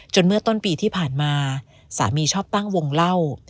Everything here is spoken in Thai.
เมื่อต้นปีที่ผ่านมาสามีชอบตั้งวงเล่า